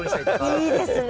いいですね。